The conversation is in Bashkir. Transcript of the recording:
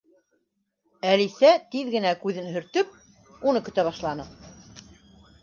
Әлисә тиҙ генә күҙен һөртөп, уны көтә башланы.